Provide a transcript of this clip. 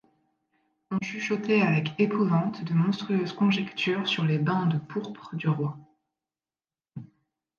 On chuchotait avec épouvante de monstrueuses conjectures sur les bains de pourpre du roi.